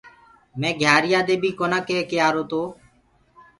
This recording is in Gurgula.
مي گھيآريآ دي بي ڪونآ ڪيڪي آرو تو